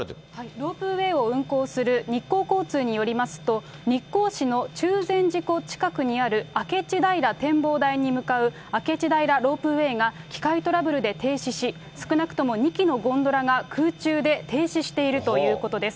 ロープウェイを運行する日光交通によりますと、日光市の中禅寺湖近くにあるあけちだいら展望台に向かう明智平ロープウェイが機械トラブルで停止し、少なくとも２基のゴンドラが空中で停止しているということです。